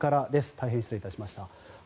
大変失礼いたしました。